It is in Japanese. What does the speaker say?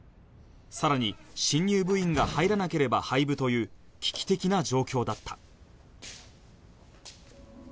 さらに新入部員が入らなければ廃部という危機的な状況だった